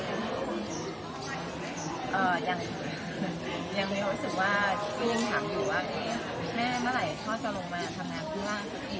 ยังมีความรู้สึกว่าคุณถามอยู่ว่าแม่เมื่อไหร่พ่อจะลงมาทำงานเพื่อพี่